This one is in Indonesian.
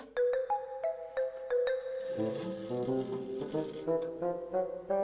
saatnya selalu berada pada